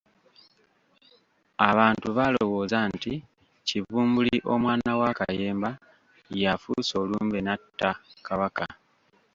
Abantu baalowooza nti Kibumbuli omwana wa Kayemba ye afuuse olumbe n'atta Kabaka.